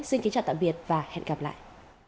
xin kính chào tạm biệt và hẹn gặp lại